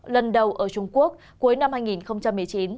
lần đầu ở trung quốc cuối năm hai nghìn một mươi chín